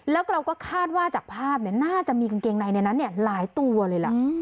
แล้วก็เราก็คาดว่าจากภาพเนี่ยน่าจะมีกางเกงในนั้นเนี่ยหลายตัวเลยล่ะ